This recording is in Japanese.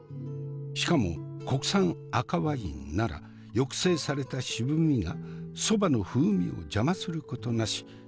しかも国産赤ワインなら抑制された渋みが蕎麦の風味を邪魔することなし。